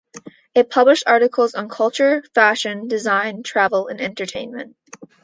It published articles on culture, fashion, design, travel and entertainment.